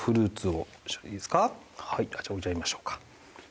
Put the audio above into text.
じゃあ置いちゃいましょうか。